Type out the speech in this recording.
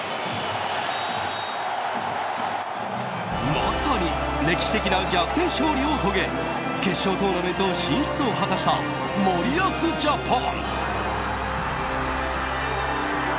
まさに歴史的な逆転勝利を遂げ決勝トーナメント進出を果たした森保ジャパン。